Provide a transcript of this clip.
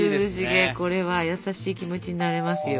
これは優しい気持ちになれますよ。